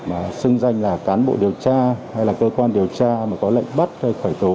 mà xưng danh là cán bộ điều tra hay là cơ quan điều tra mà có lệnh bắt hay khởi tố